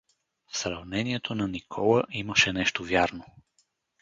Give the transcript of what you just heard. В сравнението на Никола имаше нещо вярно.